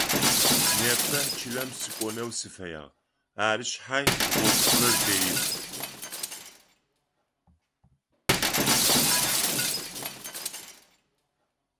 Непэ чылэм сыкӏонэу сыфэягъ, ары шъхьай гъогухэр дэих.